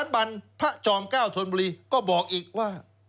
พาจอมก้าวธนบุรีก็บอกอีกว่า